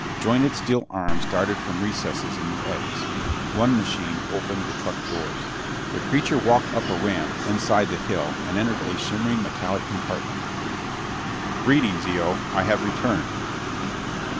Jointed steel arms darted from recesses in the eggs. One machine opened the truck doors. The creature walked up a ramp inside the hill and entered a shimmering metallic compartment. "Greetings, Eo. I have returned."